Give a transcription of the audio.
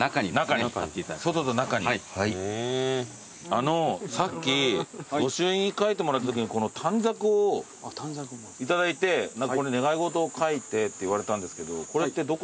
あのうさっき御朱印書いてもらったときにこの短冊を頂いて。これ願い事を書いてって言われたんですけどこれってどこに？